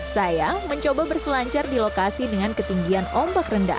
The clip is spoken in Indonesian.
saya mencoba berselancar di lokasi dengan ketinggian ombak rendah